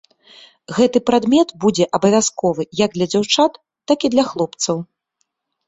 Гэты прадмет будзе абавязковы як для дзяўчат, так і для хлопцаў.